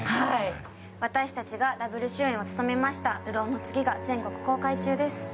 私たちがダブル主演を務めました「流浪の月」が全国公開中です。